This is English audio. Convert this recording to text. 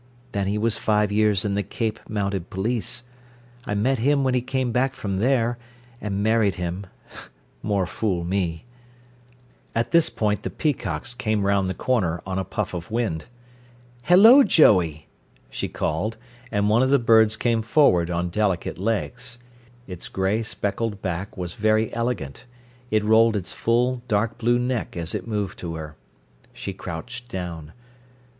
Then he was five years in the Cape Mounted Police. I met him when he came back from there, and married him more fool me " At this point the peacocks came round the corner on a puff of wind. "Hello, Joey!" she called, and one of the birds came forward, on delicate legs. Its grey spreckled back was very elegant, it rolled its full, dark blue neck as it moved to her. She crouched down.